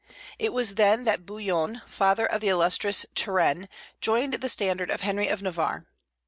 It was then that Bouillon, father of the illustrious Turenne, joined the standard of Henry of Navarre.